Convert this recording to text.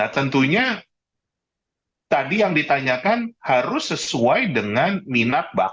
tentunya tadi yang ditanyakan harus sesuai dengan minat bapak